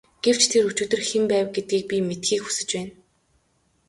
Гэвч тэр өчигдөр хэн байв гэдгийг би мэдэхийг хүсэж байна.